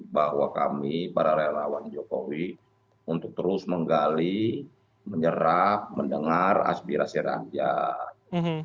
bahwa kami para relawan jokowi untuk terus menggali menyerap mendengar aspirasi rakyat